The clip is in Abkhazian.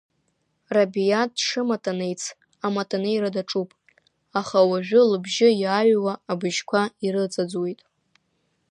Рабиа дшыматанеиц аматанеира даҿуп, аха уажәы лыбжьы иааҩуа абыжьқәа ирыҵаӡуеит.